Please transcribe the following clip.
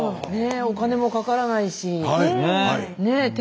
ねえお金もかからないしねえ